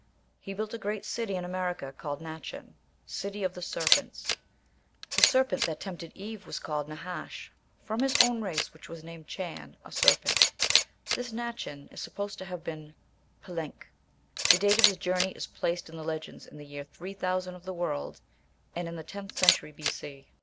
He built a great city in America called "Nachan," City of the Serpents (the serpent that tempted Eve was Nahash), from his own race, which was named Chan, a serpent. This Nachan is supposed to have been Palenque. The date of his journey is placed in the legends in the year 3000 of the world, and in the tenth century B.C.